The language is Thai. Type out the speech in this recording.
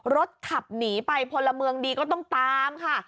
รถขับหนีไปพลเมืองดีก็ต้องตามค่ะ